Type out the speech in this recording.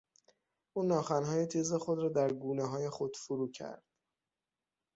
او ناخنهای تیز خود را در گونههای خود فرو کرد.